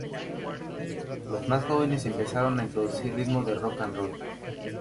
Los más jóvenes empezaron a introducir ritmo de "rock and roll".